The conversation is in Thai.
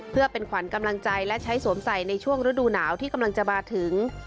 เพื่อเป็นขวัญกำลังใจและใช้สวมใส่ในช่วงฤดูหนาวที่กำลังจะมาถึง